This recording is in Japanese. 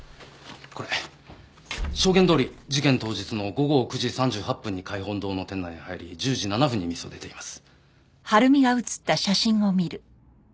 これ証言どおり事件当日の午後９時３８分に開本堂の店内へ入り１０時７分に店を出ています。